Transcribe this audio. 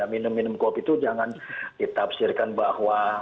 minum minum kopi itu jangan ditafsirkan bahwa